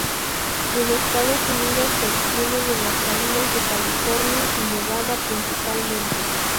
En Estados Unidos se obtiene de las salinas de California y Nevada principalmente.